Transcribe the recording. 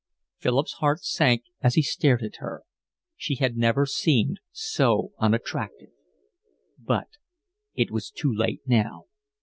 Philip's heart sank as he stared at her; she had never seemed so unattractive; but it was too late now.